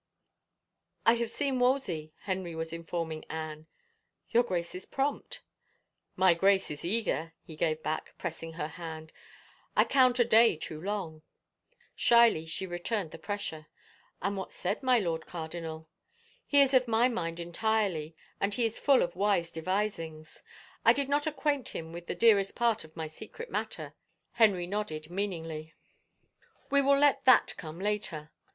V " I have seen Wolsey," Henry was informing Anne. " Your Grace is prompt." " My Grace is eager," he gave back, pressing her hand. " I count a day too long." Shyly she returned the pressure. " And what said my Lord Cardinal?" " He is of my mind entirely, and he is full of wise devisings. ... I did not acquaint him with the dearest part of my secret matter," Henry added meaningly. " We 10 121 THE FAVOR OF KINGS will let that come later.